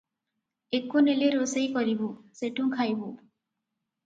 ଏକୁ ନେଲେ ରୋଷେଇ କରିବୁ, ସେଠୁ ଖାଇବୁଁ ।